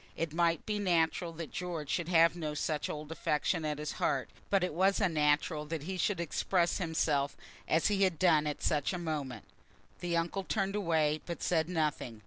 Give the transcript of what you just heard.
It might be natural that George should have no such old affection at his heart, but it was unnatural that he should express himself as he had done at such a moment. The uncle turned away, but said nothing.